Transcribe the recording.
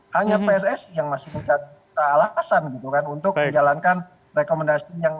hanya pssi yang masih punya alasan untuk menjalankan rekomendasi